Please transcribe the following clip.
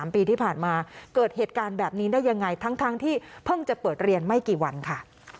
ปีที่ผ่านมาเกิดเหตุการณ์แบบนี้ได้ยังไงทั้งที่เพิ่งจะเปิดเรียนไม่กี่วันค่ะ